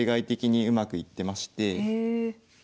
へえ。